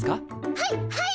はいはい！